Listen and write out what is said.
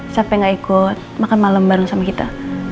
sampai gak ikut makan malam bareng sama kita